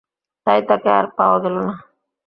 তাই তাকে আর পাওয়া গেল না।